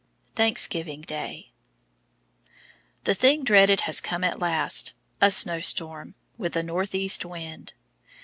Thanksgiving Day. The thing dreaded has come at last, a snow storm, with a north east wind.